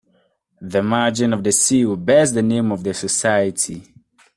The margin of the seal bears the name of the society.